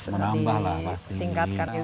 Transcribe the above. menambahlah waktu ini